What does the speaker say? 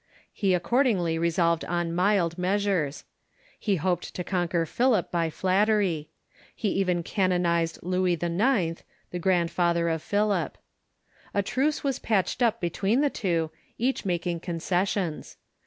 He accord ingly resolved on mild measures. He hoped to conquer Philip by flattery. He even canonized Louis IX., the grandfather of Philip. A truce was patched up between the two, each mak ing concessions.